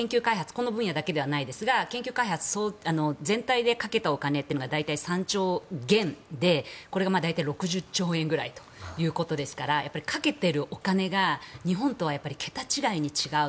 この分野だけではないですが研究開発の全体出かけたお金というのが大体３兆元でこれが大体６０兆円くらいということですからかけているお金が日本とは桁違いに違う。